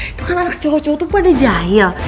itu kan anak cowok cowok tuh pada jahil